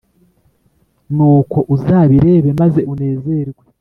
nuko uzabirebe maze unezerwe,